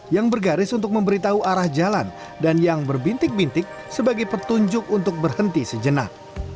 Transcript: yang bergaris untuk memberitahu arah jalan dan yang berbintik bintik sebagai petunjuk untuk berhenti sejenak